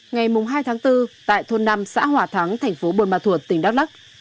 ngày hai tháng bốn tại thôn năm xã hòa thắng thành phố bồn mà thuột tỉnh đắk lắc